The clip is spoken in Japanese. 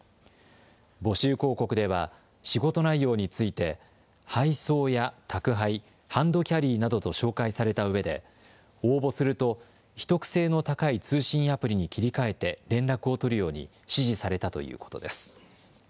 募集広告では、仕事内容について、配送や宅配、ハンドキャリーなどと紹介されたうえで、応募すると秘匿性の高い通信アプリに切り替えて連絡を取るように指示されたということです。